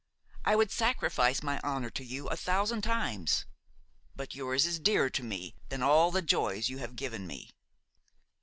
I would sacrifice my honor to you a thousand times; but yours is dearer to me than all the joys you have given me.